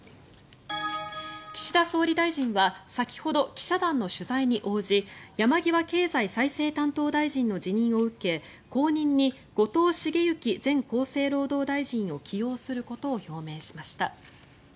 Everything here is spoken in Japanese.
岸田総理大臣は先ほど記者団の取材に応じ山際経済再生担当大臣の辞任を受け後任に後藤茂之前厚生労働大臣を起用することを表明しました。